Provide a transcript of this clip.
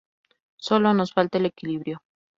Sólo nos falta el equilibrio.